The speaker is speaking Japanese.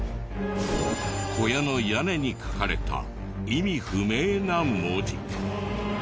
小屋の屋根に書かれた意味不明な文字。